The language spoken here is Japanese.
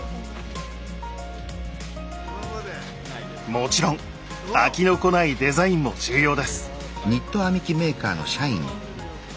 もちろん飽きのこないデザインも重要です。